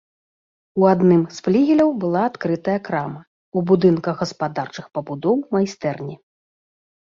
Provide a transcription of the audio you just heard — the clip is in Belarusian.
У адным з флігеляў была адкрытая крама, у будынках гаспадарчых пабудоў майстэрні.